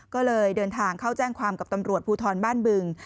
ก็เลยเดินทางเข้าแจ้งความกับตำรวจภูทรบ้านบึง